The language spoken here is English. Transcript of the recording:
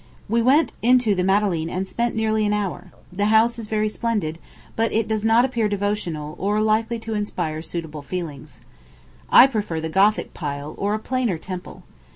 We went into the Madeleine and spent nearly an hour. The house is very splendid; but it does not appear devotional, or likely to inspire suitable feelings. I prefer the Gothic pile, or a plainer temple.